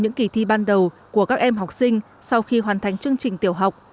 đối với việc thi cử của các em học sinh sau khi hoàn thành chương trình tiểu học